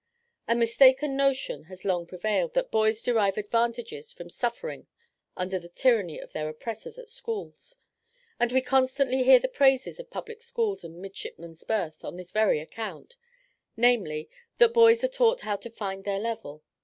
A mistaken notion has long prevailed, that boys derive advantages from suffering under the tyranny of their oppressors at schools; and we constantly hear the praises of public schools and midshipmen's berths on this very account namely, "that boys are taught to find their level."